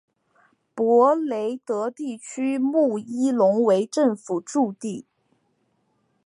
帕雷德地区穆伊隆为政府驻地。